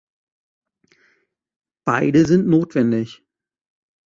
Beide sind notwendig.